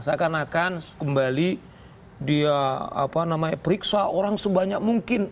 seakan akan kembali dia periksa orang sebanyak mungkin